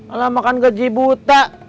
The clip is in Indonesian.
alah makan gaji buta